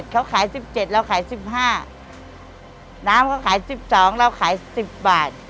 เขาขาย๑๗เราขาย๑๕น้ำเขาขาย๑๒เราขาย๑๐บาท